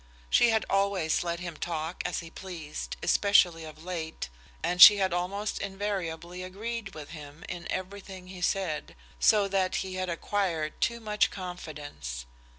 She had always let him talk as he pleased, especially of late, and she had almost invariably agreed with him in everything he said, so that he had acquired too much confidence.